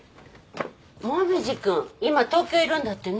紅葉君今東京いるんだってね。